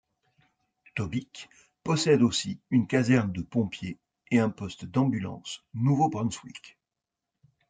Tobique possède aussi une caserne de pompiers et un poste d'Ambulance Nouveau-Brunswick.